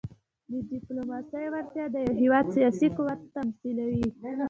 د ډيپلوماسۍ وړتیا د یو هېواد سیاسي قوت تمثیلوي.